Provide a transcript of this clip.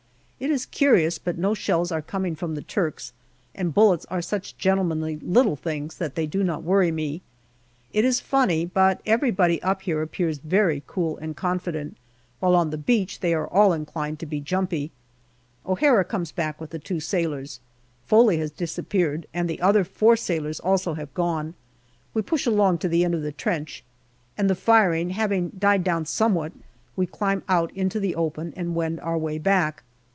It is curious, but no shells are coming from the Turks, and bullets are such gentlemanly little things that they do not worry me. It is funny, but everybody up here appears very cool and confident, while on the beach they all are inclined to be jumpy. O'Hara comes back with the two sailors. Foley has disappeared, and the other four sailors also have gone. We push along to the end of the trench, and the firing having died down somewhat, we climb out into the open and wend our way back.